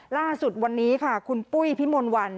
ล่าสุดวันนี้ค่ะคุณปุ้ยพิมลวัน